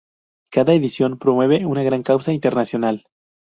Cada edición promueve una gran causa internacional.